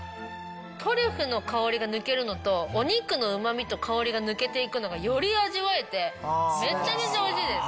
トリュフの香りが抜けるのとお肉のうま味と香りが抜けていくのがより味わえてめちゃめちゃおいしいです！